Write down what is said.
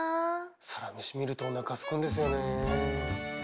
「サラメシ」見るとおなかすくんですよね。